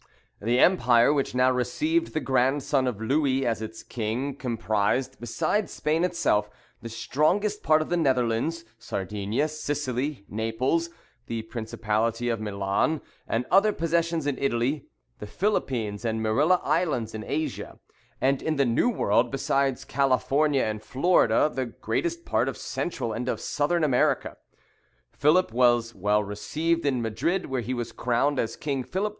The empire, which now received the grandson of Louis as its king, comprised, besides Spain itself, the strongest part of the Netherlands, Sardinia, Sicily, Naples, the principality of Milan, and other possessions in Italy, the Philippines and Marilla Islands in Asia, and, in the New World, besides California and Florida the greatest part of Central and of Southern America. Philip was well received in Madrid, where he was crowned as King Philip V.